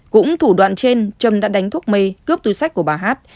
cũng thủ đoạn trên trâm đã đánh thuốc mê cướp túi sách của bà hát